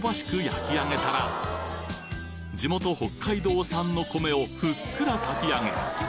焼き上げたら地元北海道産の米をふっくら炊き上げ